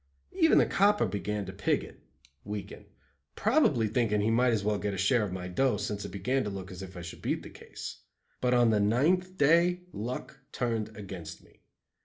Even the copper began to pig it (weaken), probably thinking he might as well get a share of my "dough," since it began to look as if I should beat the case. But on the ninth day luck turned against me.